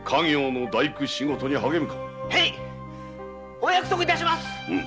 へいお約束致します。